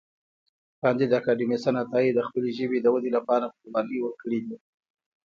کانديد اکاډميسن عطایي د خپلې ژبې د ودې لپاره قربانۍ ورکړې دي.